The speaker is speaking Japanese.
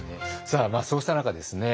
さあそうした中ですね